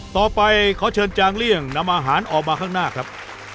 ต่อไปขอเชิญจางเลี่ยงนำอาหารออกมาข้างหน้าครับ